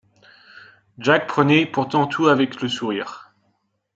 Jack prenait pourtant tout avec le sourire.